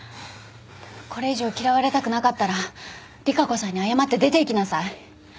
これ以上嫌われたくなかったら利佳子さんに謝って出ていきなさい。